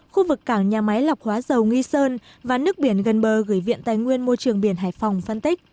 khu vực cảng nhà máy lọc hóa dầu nghi sơn và nước biển gần bờ gửi viện tài nguyên môi trường biển hải phòng phân tích